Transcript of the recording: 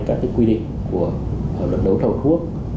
các quy định của lực đấu thầu thuốc